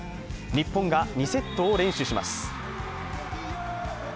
日本が２セットを連取します。